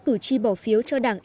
cử tri bỏ phiếu